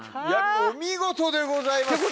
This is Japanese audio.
お見事でございます。